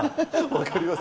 分かります。